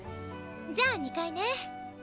じゃあ２階ね。